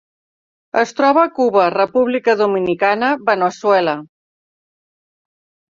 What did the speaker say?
Es troba a Cuba, República Dominicana, Veneçuela.